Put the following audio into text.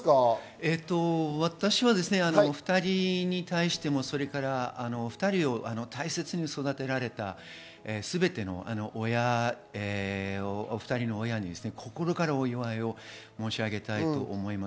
私は２人に対しても、２人を大切に育てられたすべての親、心からお祝いを申し上げたいと思います。